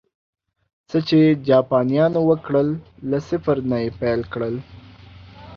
څه چې جاپانيانو وکړل، له صفر نه یې پیل کړل